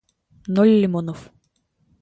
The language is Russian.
ноль лимонов